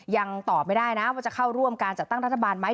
ยังตอบไม่ได้นะว่าจะเข้าร่วมการจัดตั้งรัฐบาลไหม